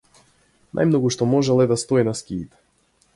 Најмногу што можел е да стои на скиите.